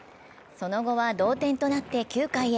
その後は同点となって９回へ。